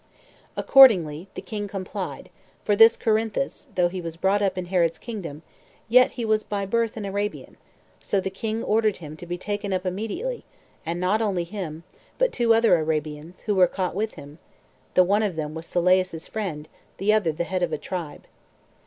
Accordingly, the king complied; for this Corinthus, though he was brought up in Herod's kingdom, yet was he by birth an Arabian; so the king ordered him to be taken up immediately, and not only him, but two other Arabians, who were caught with him; the one of them was Sylleus's friend, the other the head of a tribe.